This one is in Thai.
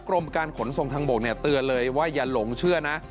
กรมการขนส่งทางบกเตือนเลยว่าอย่าหลงเชื่อนะ